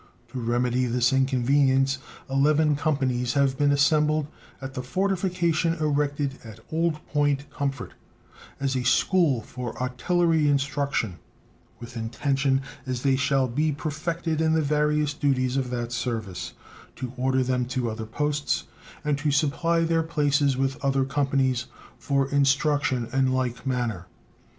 To remedy this inconvenience, eleven companies have been assembled at the fortification erected at Old Point Comfort as a school for artillery instruction, with intention as they shall be perfected in the various duties of that service to order them to other posts, and, to supply their places with other companies for instruction in like manner.